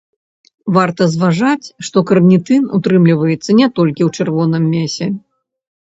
Варта зважаць, што карнітын утрымліваецца не толькі ў чырвоным мясе.